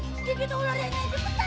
dikit ularnya aja cepet aja